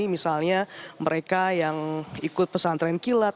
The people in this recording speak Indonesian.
misalnya mereka yang ikut pesantren kilat